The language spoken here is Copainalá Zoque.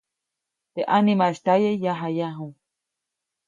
Teʼ ʼanimaʼis tyaye, yajayaju.